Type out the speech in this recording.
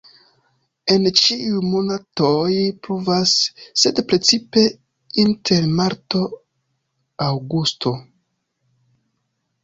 En ĉiuj monatoj pluvas, sed precipe inter marto-aŭgusto.